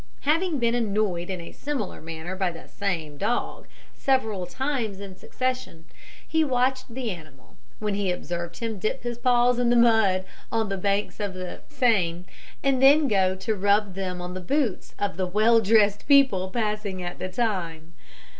Having been annoyed in a similar manner by the same dog, several times in succession, he watched the animal, when he observed him dip his paws in the mud on the banks of the Seine, and then go and rub them on the boots of the best dressed people passing at the time.